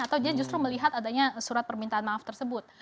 atau dia justru melihat adanya surat permintaan maaf tersebut